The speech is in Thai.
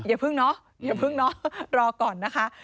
อย่าเพิ่งเนอะรอก่อนนะคะ